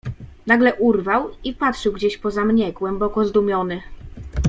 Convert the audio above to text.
"Nagle urwał i patrzył gdzieś poza mnie, głęboko zdumiony."